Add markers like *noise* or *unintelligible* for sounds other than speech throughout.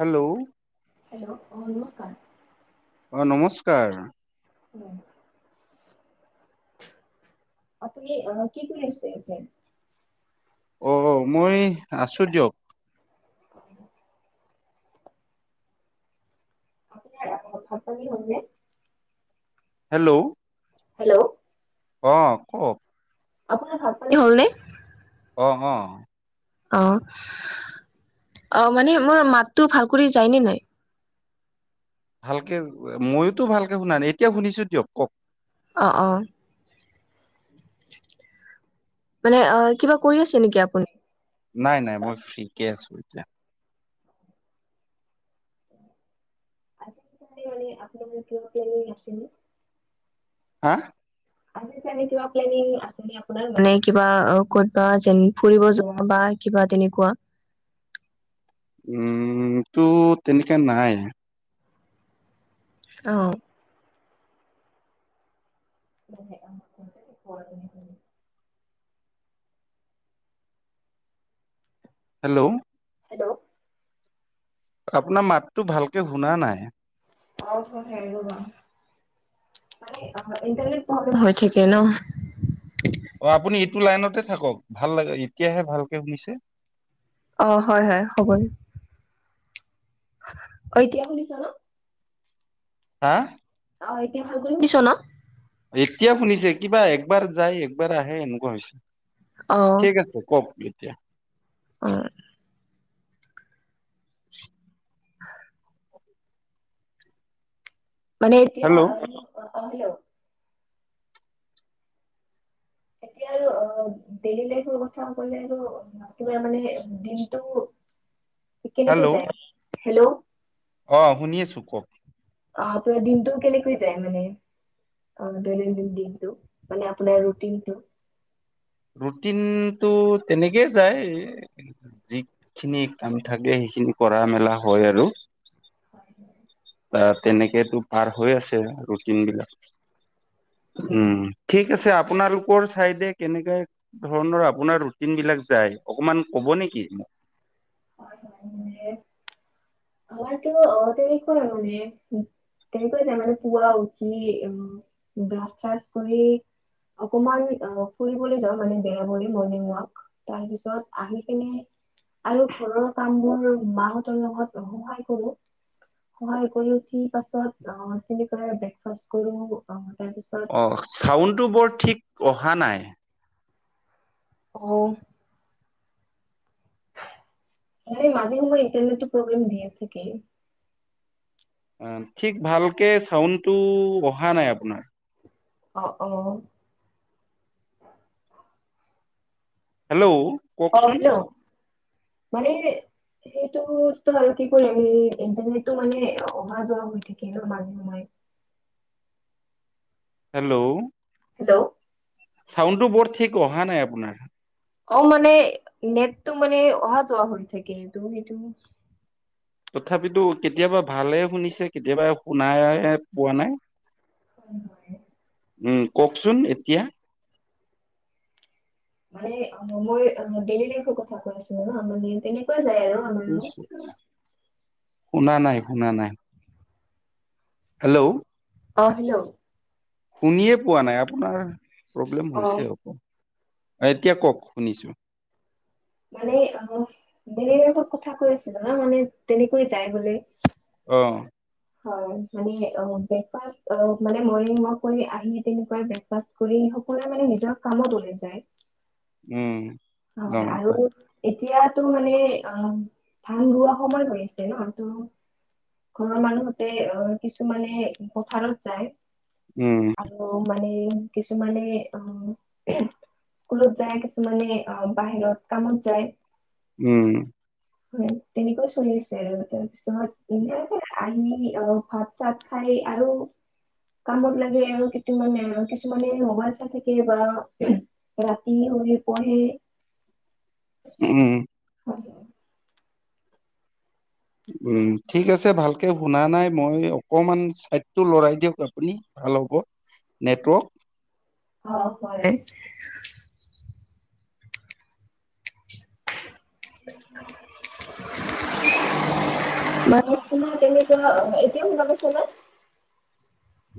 Hello? Hello অ' নমস্কাৰ। অ, নমস্কাৰ। উম, আপুনি অ' কি কৰি আছে এতিয়া? অ, মই আছোঁ দিয়ক। *unintelligible* *unintelligible* ভাত পানী হ'ল নে? হেল্ল', হেল্ল', অ, কওক। আপোনাৰ ভাত পানী হ'ল নে? অ-অ। অ, অ' মানে মোৰ মাততো ভাল কৰি যায়নে নাই? ভালকে, ময়োতো ভালকে শুনা নাই, এতিয়া শুনিছোঁ দিয়ক, কওক। অ-অ। মানে অ, কিবা কৰি আছে নেকি আপুনি? নাই-নাই মই ফ্ৰীকে আছো এতিয়া। আজি কাৰণে মানে আপোনাৰ প্লেনিং আছে নে? হা? আজি কাৰণে কিবা প্লেনিং আছে আপোনাৰ মানে কিবা অ, ক'তবা যেন ফুৰিব যাৱা বা কিবা তেনেকুৱা? উম, টো তেনেকা নাই। অ *inaudible* হেল্ল' হেল্ল' আপোনাৰ মাততো ভালকে শুনা নাই। ইন্টাৰনেট প্ৰব্লেম হৈ থাকে ন অ আপুনি এইটো লাইনতে থাকক ভাল লাগে এতিয়াহে ভালকে শুনিছে। অ হয় হয় হ'ব দে অ এতিয়া শুনিছ ন? হা? অ এতিয়া ভাল কৰি শুনিছ? এতিয়া শুনিছে কিবা একবাৰ যায়, একবাৰ আহে এনেকুৱা হৈছে। ঠিক আছে কওক এতিয়া। উম *inaudible* মানে এতিয়া হেল্ল' আ আহিলে এতিয়া আৰু অ ডেইলি লাইফৰ কথা কলেটো কিবা মানে দিনটো কেনেকৈ হেল্ল' যায় হেল্ল' অ শুনি আছো ক'ক। অ আপোনাৰ দিনটো কেনেকৈ যায় মানে? অ দৈনন্দিন দিনটো মানে আপোনাৰ ৰুটিনটো? ৰুটিনটো তেনেকেই যায় এ যিখিনি কাম থাকে সেইখিনি কৰা মেলা হয় আৰু। *inaudible* তেনেকেতো পাৰ হৈ আছে ৰুটিন বিলাক। উম, ঠিক আছে আপোনালোকৰ চাইডে কেনেকা ধৰণৰ আপোনাৰ ৰুটিন বিলাক যায়, অকমান ক'ব নেকি হয় হয় মানে আমাৰটো অ, দেৰি কৰা মানে তেনেকৈ যাওঁ মানে পুৱা উঠি আম ব্ৰাছ চ্ৰাচ কৰি অকমান অ ফুৰিবলৈ যাওঁ মানে বেৰা বুলি মৰ্নিং ৱাৰ্ক তাৰপিছত আহি কিনে আৰু ঘৰৰ কামবোৰ মাহঁতৰ লগত সহায় কৰো। সহায় কৰি উঠি পাছত অ, তেনেকৈ ব্ৰেকফাষ্ট কৰোঁ, অ তাৰপিছত অ' চাউণ্ডটো বৰ ঠিক অহা নাই। অ এনে মাজে সময়ে ইণ্টাৰনেটটো প্ৰব্লেম দিয়ে থাকে উম ঠিক ভালকে চাউণ্ডটো অহা নাই আপোনাৰ অ অ হেল্ল' অ কওকচোন হেল্ল' মানে সেইটোত ত আৰু কি কৰিম আমি ইণ্টাৰনেটটো মানে অহা যোৱা হৈ থাকে ন মাজে সময়ে। হেল্ল'। হেল্ল'। চাউণ্ডটো বৰ ঠিক অহা নাই আপোনাৰ? অ মানে নেটটো মানে অহা যোৱা হৈ থাকে সেটো *unintelligible* তথাপিতো কেতিয়াবা ভালে শুনিছে কেতিয়াবা শুনাই পোৱা নাই। হয় হ উম, কওকচোন এতিয়া? মানে আ মমই আহ ডেইলি লাইফৰ কথা কৈ আছিলে ন *unintelligible* তেনেক *unintelligible* শুনা নাই। শুনা নাই। হেল্ল'। অ, হেল্ল'। শুনিয়ে পোৱা নাই। আপোনাৰ প্ৰব্লেম হৈছে অক, এতিয়া কওক শুনিছো। মানে অ ডেইলী লাইফৰ কথা কৈ আছিলো ন মানে তেনেকৈ যায় বোলে। অ। হয়। মানে অ ব্ৰেকফাছ অ মানে মৰ্ণিং ৱক কৰি আহি তেনেকুৱ ব্ৰেকফাছ কৰি সকলোৱে মানে নিজৰ কামত ওলাই যায়। উম। হ অ আৰু এতিয়াটো মানে অ, ধান ৰোৱা সময় হৈ আছে ন তো ঘৰৰ মানুহতে অ, কিছুমানে পথাৰত যায় উম আৰ ত মানে কিছুমানে অ, স্কুলত যায়। কিছুমানে অ বাহিৰত কামত যায়। উম। হয়। তেনেকুৱাও চলি আছে আৰু তাৰপিছত *unintelligible* আহি আহ ভাত চাত খাই আৰু কামত লাগে, আৰু কিটোমানে আৰু কিছুমানে ম'বাইল চাই থাকে বা ৰাতি শুই পঢ়ে। উ উম। হয়। উম ঠিক আছে। ভালকে শুনা নাই। মই অকণমান চাইডটো লৰাই দিয়ক আপুনি? ভাল হ'ব নেটৱৰ্ক। অ, হয়। *inaudible* মানে তোমাৰ তেনেকুৱা, এতিয়া শুনি পাইছা নে?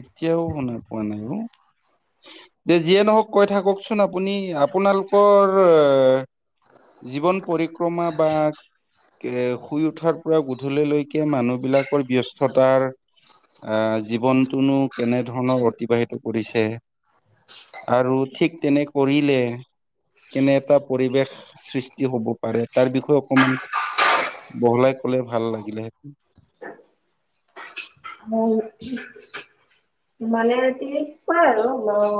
এতিয়াও শুনা পোৱা নাই অ। দে যিয়ে নহওঁক, কৈ থাককচোন আপুনি। আপোনালোকৰ জীৱন পৰিক্ৰমা বা এ শুই উঠাৰ পৰা গধূলিলৈকে মানুহবিলাকৰ ব্যস্ততাৰ আ জীৱনটোনো কেনেধৰণে অতিবাহিত কৰিছে? আৰু ঠিক তেনে কৰিলে কেনে এটা পৰিৱেশ সৃষ্টি হ'ব পাৰে, তাৰ বিষয়ে অকমান বহলাই ক'লে ভাল লাগিলে হেতেন। মও মানে ৰাতি পায় আৰু মও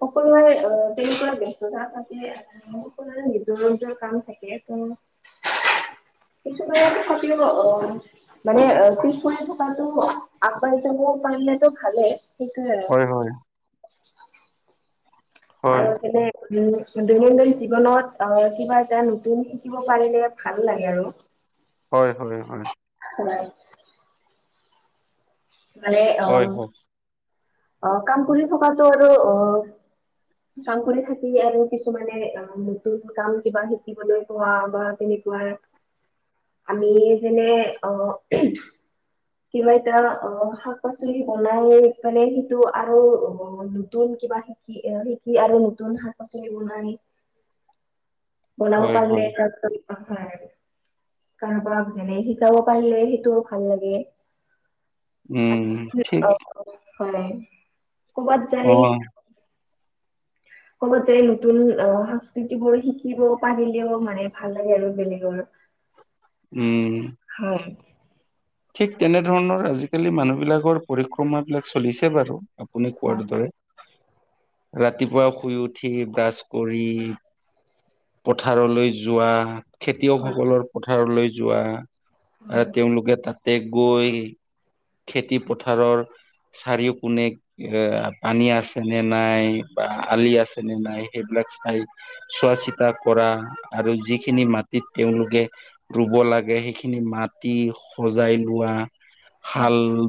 সকলোৱে অঁ তেনেকুৱা ব্যস্ততা থাকিলে- সকলোৰে নিজৰ নিজৰ কাম থাকে, ত- কিছুমানে তথাপিও অঁ, মানে পিছোৱাই- তাতো আগবাঢ়ি যাব পাৰিলেতো ভালেই। কিন্তু- হয় হয় আৰু হয় এইফালে- উম, দৈনন্দিন জীৱনত আহ্ কিবা এটা নতুন শিকিব পাৰিলে ভাল লাগে আৰু। হয় এইফালে হয়। হলেল- মানে অঁ, হয় হয় অঁ কাম কৰি থকাটো আৰু অঁ'। কাম কৰি থাকি আৰু কিছুমানে অঁ' নতুন কাম কিবা-কিবি- শিকিবলৈ পোৱা বা তেনেকুৱাই। আমি যেনে অ'- কিবা এটা অঁ শাক-পাচলি বনাই পানে সেইটো আৰু অঁ- নতুন কিবা শিকি অঁ শিক- কি আৰু নতুন শাক-পাচলি বনাই, বনাব হয় পাৰিলে হয় তাপাছত- কাৰোবাক যেনে শিকাব পাৰিলে সেইটো ভাল লাগে। উম, ঠিক। অঁ হয় ক'ৰবাত অ যায়? লগতে নতুন অঁ, সংস্কৃতিবোৰ শিকিব পাৰিলেও মানে ভাল লাগে আৰু বেলেগৰ। উম' হয়। ঠিক তেনেধৰণৰ আজিকালি মানুহ বিলাকৰ পৰিক্ৰমা বিলাক চলিছে বাৰু। আপোনি কোৱাৰ দৰে, ৰাতিপুৱা শুই উঠি ব্ৰাছ কৰি- পথাৰলৈ যোৱা- খেতিয়কসকলৰ পথাৰলৈ যোৱা আৰু তেওঁলোকে তাত- তে গৈ খেতি পথাৰৰ চাৰিও কোনে- এ পানী আছে নে নাই বা আলি আছে নে নাই, সেইবিলাক চাই- চোৱা-চিতা কৰা আৰু যিখিনি মাটিত তেওঁলোকে- ৰুব লাগে, সেইখিনি মাটি সজাই লোৱা, হাল-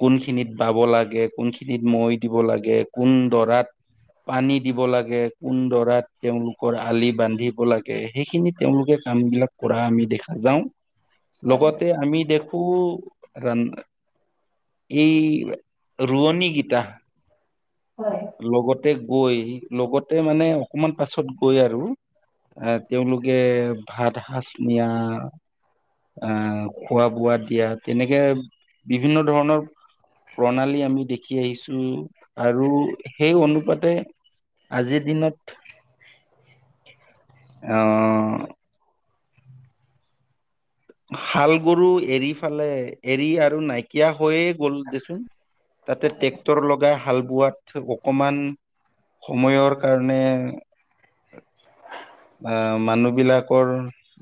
কোনখিনিত বাব লাগে, কোনখিনিত মৈ দিব লাগে, কোন দৰাত- পানী দিব লাগে, কোন দৰাত তেওঁলোকৰ আলি বান্ধিব লাগে। সেইখিনি, তেওঁলোকে কামবিলাক কৰা আমি দেখা যাওঁ। লগতে আমি দেখো, ৰান- এই ৰোৱনী গীতা- লগতে গৈ, লগতে মানে অকমান পাছত গৈ আৰু। আহ্ তেওঁলোকে ভাত সাঁজ নিয়া। আঁহ্ খোৱা বোৱাত দিয়া তেনেকে বিভিন্ন ধৰণৰ- প্ৰণালী আমি দেখি আহিছোঁ আৰু- সেই অনুপাতে আজিৰ দিনত- অঁ' হাল গৰু এৰি ফালে এৰি আৰু নাইকিয়া হৈয়ে- কলো দেচোন তাতে ট্ৰেক্টৰ লগা- হাল বোৱাত অকমান সময়ৰ কাৰণে- আঁহ, মানুহ বিলাকৰ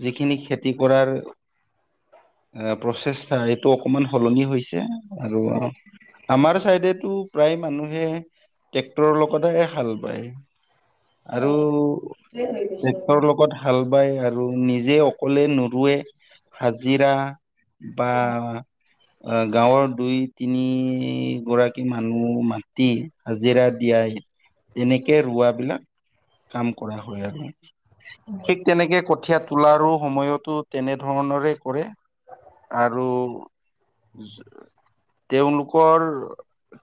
যিখিনি খেতি কৰাৰ- এঁহ প্ৰচেষ্টা এইটো অকমান সলনি হৈছে আৰু- আমাৰ চাইডেটো প্ৰায় মানুহে ট্ৰেক্টৰৰ লগতহে হাল পায়। আৰু টেক্টৰলগত হাল বায় আৰু নিজে অকলে নুবোৱে হাজিৰা বা আহ, গাঁৱৰ দুই, তিনি গৰাকী মানুহ মাতি হাজিৰা দিয়াই তেনেকে ৰোৱা বিলাক কাম কৰা হয় আৰু। ঠিক তেনেকে কঠীয়া তোলাৰো সময়তো তেনে ধৰণৰে কৰে। আৰু তেওঁলোকৰ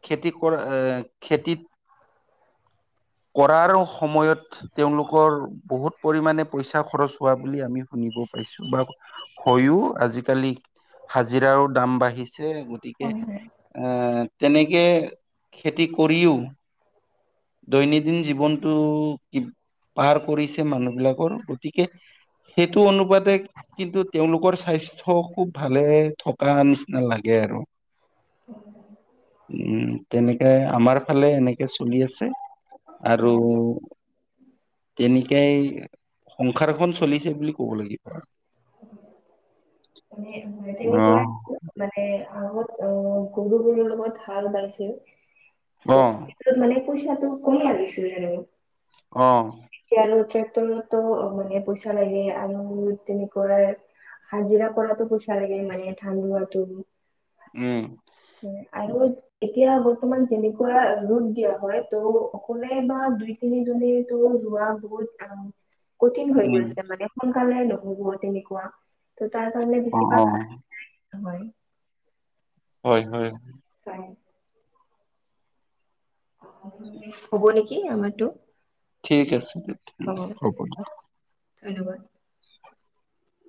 খেতি কৰা এ, খেতিত কৰাৰ সময়ত তেওঁলোকৰ বহুত পৰিমণে পইচা খৰচ হোৱা বুলি আমি শুনিব পাইছো বা হৈও আজিকালি হাজিৰাৰো দাম বাঢ়িছে গতিকে। এ, তেনেকে খেতি কৰিও দৈনন্দিন জীৱনটো কি পাৰ কৰিছে। মানুহ বিলাকৰ গতিকে সেইটো অনুপাতে কিন্তু তেওঁলোকৰ স্বাস্থ্য খুব ভালে থকা নিচিনা লাগে আৰু। উম, তেনেক কে আমাৰ ফালে এনেকে চলি আছে, আৰু তেনেক কেই সংসাৰ চলিছে বুলি ক'ব লাগিব। *unintelligible* অ তেনেকুৱাই সেইটো মানে আগত অ, গৰুবোৰৰ লগত হাল বাইছিল। অ'। ত, মানে পইচাটো কম লাগিছিল আৰু। অ'। এয়া আৰু ট্ৰেক্টৰতো মানে পইচা লাগে আৰু তেনেক কৰে হাজিৰা কৰাটো পইচা লাগে মানে, ধান ৰুৱাটো। উম। আৰু এতিয়া বৰ্তমান যেনেকুৱা ৰোদ দিয়া হয় ত' অকলে বা দুই তিনিজনীতো ৰোৱা বহুত কঠিন হৈ উম গৈছে মানে সোনকালে নহব তেনেকুৱা, তাৰ কাৰণে অ অ বেছিভাগ হয়। হয়, হয়। হয়। হ'ব নেকি আমাৰটো। ঠিক আছে, হ'ব দিয়া। ধন্যবাদ।